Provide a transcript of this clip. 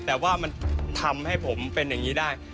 แต่ว่ามันทำให้ผมเป็นอย่างนี้ได้